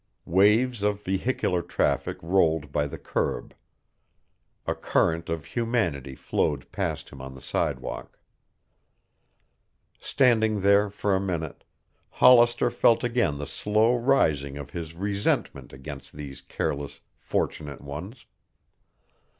Waves of vehicular traffic rolled by the curb. A current of humanity flowed past him on the sidewalk. Standing there for a minute, Hollister felt again the slow rising of his resentment against these careless, fortunate ones.